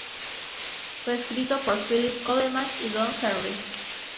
Fue escrito por Phillip Coleman y Don Henry.